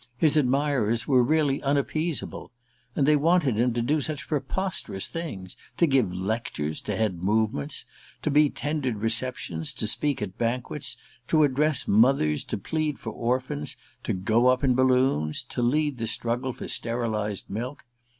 His admirers were really unappeasable. And they wanted him to do such preposterous things to give lectures, to head movements, to be tendered receptions, to speak at banquets, to address mothers, to plead for orphans, to go up in balloons, to lead the struggle for sterilized milk.